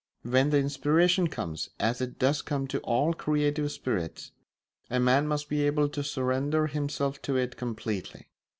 When the inspiration comes, as it does come to all creative spirits, a man must be able to surrender himself to it completely.